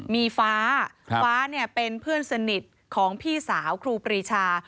มีฟ้าฟ้าเป็นเพื่อนสนิทของพี่สาวครูปรีชา